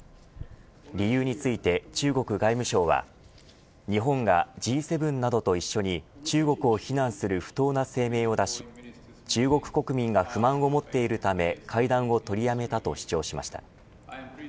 理由について中国外務省は日本がＧ７などと一緒に中国を批難する不当な声明を出し中国国民が不満を持っているため会談を取りやめたと主張しました。